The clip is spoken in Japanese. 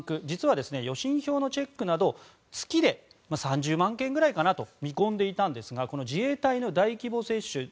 実は予診票のチェックなど月で３０万件ぐらいかなと見込んでいたんですが自衛隊の大規模接種